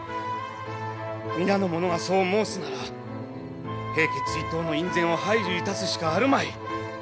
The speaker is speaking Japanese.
皆の者がそう申すなら平家追討の院宣を拝受いたすしかあるまい。